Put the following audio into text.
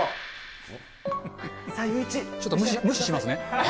ちょっと無視しますね。